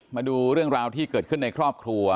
มาดูเรื่องราวที่เกิดขึ้นในครอบครัว